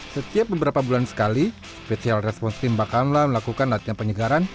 setiap beberapa bulan sekali special response team bakamla melakukan latihan penyegaran